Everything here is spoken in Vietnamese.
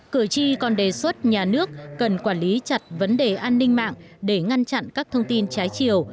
cử tri còn đề xuất nhà nước cần quản lý chặt vấn đề an ninh mạng để ngăn chặn các thông tin trái chiều